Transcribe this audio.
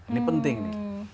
ini penting nih